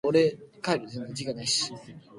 撤回はしなくていい、所詮獣の戯言俺の心には響かない。